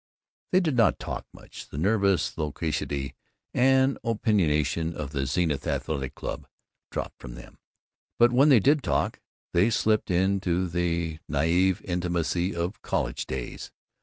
They did not talk much. The nervous loquacity and opinionation of the Zenith Athletic Club dropped from them. But when they did talk they slipped into the naïve intimacy of college days.